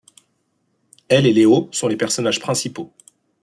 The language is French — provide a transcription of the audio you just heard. Elle et Leo sont les personnages principaux.